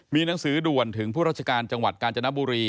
มีหนังสือด่วนถึงผู้ราชการจังหวัดกาญจนบุรี